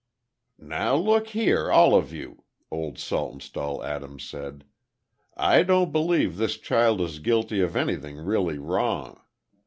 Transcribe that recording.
"Now look here, all of you," Old Saltonstall Adams said, "I don't believe this child is guilty of anything really wrong.